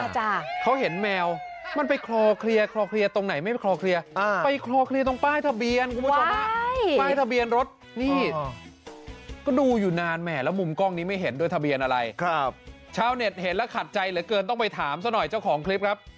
เช่าเน็ตเห็นแล้วขัดใจเหลือเกินต้องไปถามสักหน่อยเจ้าของคลิปะครับ